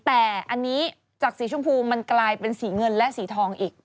แต่อันนี้จากสีชมพูมันกลายเป็นสีเงินและสีทองอีก